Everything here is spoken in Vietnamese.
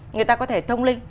người ta có thể thông linh